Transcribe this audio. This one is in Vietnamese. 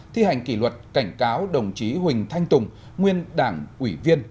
thi hành kỷ luật cảnh cáo đồng chí huỳnh thanh tùng nguyên đảng ủy viên